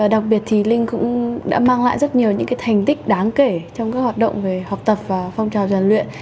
đặc biệt thì linh cũng đã mang lại rất nhiều những thành tích đáng kể trong các hoạt động về học tập và phong trào giàn luyện